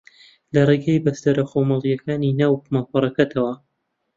لە ڕێگەی بەستەرە خۆماڵییەکانی ناو ماڵپەڕەکەتەوە